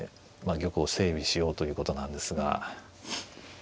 玉を整備しようということなんですが。